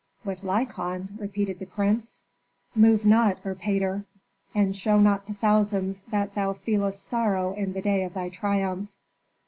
"With Lykon?" repeated the prince. "Move not, Erpatr, and show not to thousands that thou feelest sorrow in the day of thy triumph."